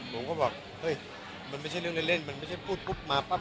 ผมก็บอกเฮ้ยมันไม่ใช่เรื่องเล่นมันไม่ใช่พูดปุ๊บมาปั๊บ